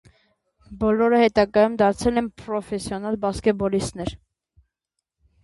Բոլորը հետագայում դարձել են պրոֆեսիոնալ բասկետբոլիստներ։